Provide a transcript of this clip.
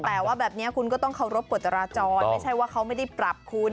แต่ว่าแบบนี้คุณก็ต้องเคารพกฎจราจรไม่ใช่ว่าเขาไม่ได้ปรับคุณ